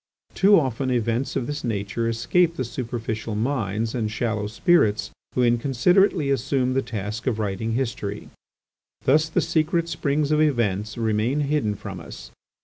Too often events of this nature escape the superficial minds and shallow spirits who inconsiderately assume the task of writing history. Thus the secret springs of events remain hidden from us.